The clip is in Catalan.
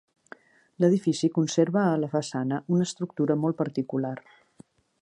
L'edifici conserva a la façana una estructura molt particular.